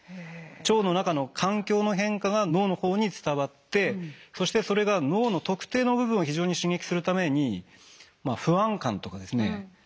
腸の中の環境の変化が脳の方に伝わってそしてそれが脳の特定の部分を非常に刺激するためにまあ不安感とかですね